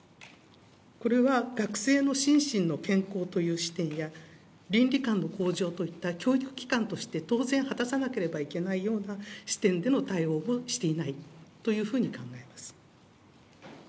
これは学生の心身の健康という視点や、倫理観の向上といった教育機関として、当然果たさなければいけないような視点での対応をしていないというふうに考えます。